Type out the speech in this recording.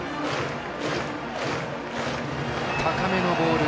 高めのボール